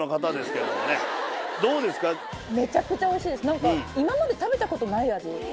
何か今まで食べたことない味